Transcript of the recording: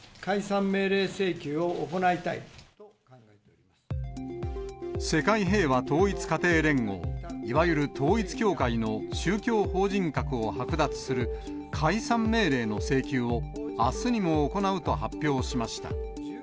きょう、世界平和統一家庭連合、いわゆる統一教会の宗教法人格を剥奪する解散命令の請求を、あすにも行うと発表しました。